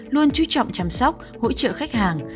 luôn chú trọng chăm sóc hỗ trợ khách hàng